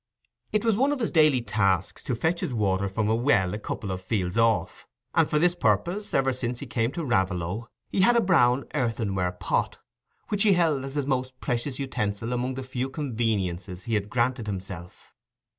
It was one of his daily tasks to fetch his water from a well a couple of fields off, and for this purpose, ever since he came to Raveloe, he had had a brown earthenware pot, which he held as his most precious utensil among the very few conveniences he had granted himself.